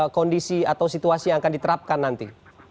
kondisi atau situasi yang akan diterapkan nanti